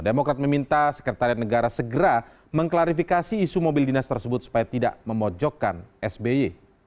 demokrat meminta sekretariat negara segera mengklarifikasi isu mobil dinas tersebut supaya tidak memojokkan sby